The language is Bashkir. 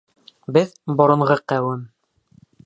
Беҙ — боронғо ҡәүем.